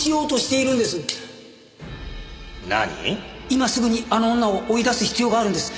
今すぐにあの女を追い出す必要があるんです。